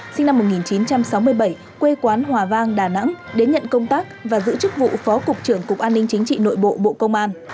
sinh năm một nghìn chín trăm sáu mươi bảy quê quán hòa vang đà nẵng đến nhận công tác và giữ chức vụ phó cục trưởng cục an ninh chính trị nội bộ bộ công an